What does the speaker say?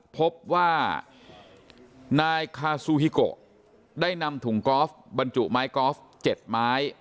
พบว่านายคาซูฮิโกได้นำถุงกอล์ฟบรรจุไม้กอล์ฟ๗ไม้